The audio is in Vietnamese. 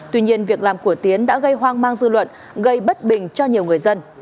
tuy nhiên việc làm của tiến đã gây hoang mang dư luận gây bất bình cho nhiều người dân